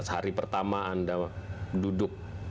hari pertama anda duduk